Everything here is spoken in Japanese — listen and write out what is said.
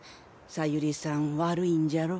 小百合さん悪いんじゃろ？